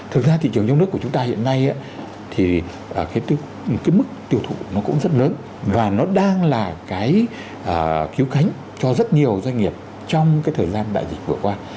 thực ra thị trường trong nước của chúng ta hiện nay thì mức tiêu thụ cũng rất lớn và nó đang là cái cứu khánh cho rất nhiều doanh nghiệp trong thời gian đại dịch vừa qua